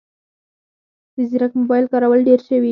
د ځیرک موبایل کارول ډېر شوي